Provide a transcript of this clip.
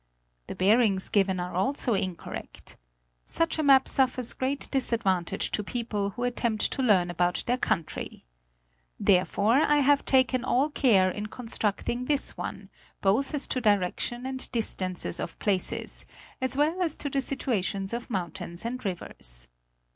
The bearings given are also incorrect. Such a map offers great disadvantages to people who attempt. to learn about their country. Therefore I have taken all care in con structing this one, both as to direction and distances of places, as well as to the situations of mountains and rivers.